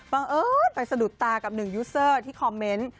เอิญไปสะดุดตากับหนึ่งยูเซอร์ที่คอมเมนต์